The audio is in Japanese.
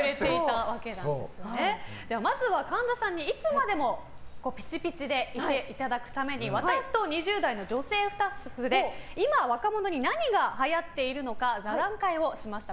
ではまずは、神田さんにいつまでもピチピチでいていただくために私と２０代の女性スタッフで今若者に何がはやっているのか座談会をしました。